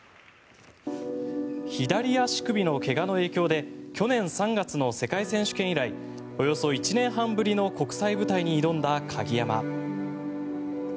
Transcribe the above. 左足首の怪我の影響で去年３月の世界選手権以来およそ１年半ぶりの国際舞台に挑んだ鍵山。